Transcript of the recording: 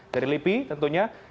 dari lipi tentunya